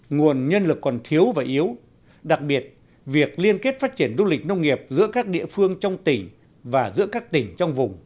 nguồn nhân lực còn thiếu và yếu đặc biệt việc liên kết phát triển du lịch nông nghiệp giữa các địa phương trong tỉnh và giữa các tỉnh trong vùng